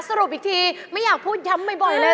สรุปอีกทีไม่อยากพูดย้ำบ่อยเลย